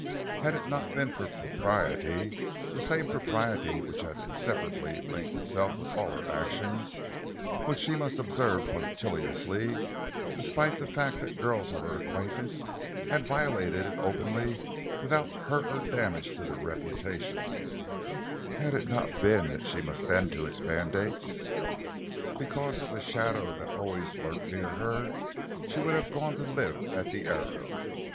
Had it not been for propriety—the same propriety which had inseparably linked itself with all her actions—which she must observe punctiliously despite the fact that girls of her acquaintance had violated it openly without hurt or damage to their reputations; had it not been that she must bend to its mandates, because of the shadow that had always lurked near her, she would have gone to live at the Arrow.